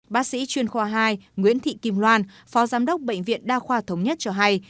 bác sĩ chuyên khoa hai nguyễn thị kim loan phó giám đốc bệnh viện đa khoa thống nhất cho hay